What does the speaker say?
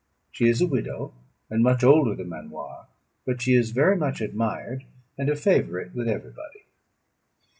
She is a widow, and much older than Manoir; but she is very much admired, and a favourite with everybody.